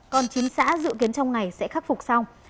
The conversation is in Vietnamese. còn chín xã dự kiến trong ngày sẽ khắc phục xong